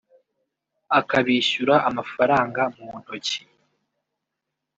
akabishyura amafaranga mu ntoki